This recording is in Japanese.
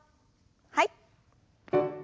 はい。